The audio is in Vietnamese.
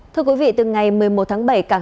thưa quý vị từ ngày một mươi một tháng bảy cảng